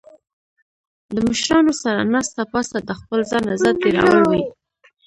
د مشرانو سره ناسته پاسته د خپل ځان عزت ډیرول وي